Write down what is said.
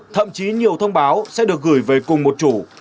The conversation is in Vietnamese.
thậm chí nhiều thông báo sẽ được gửi về cùng một chủ